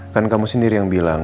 kan kamu sendiri yang bilang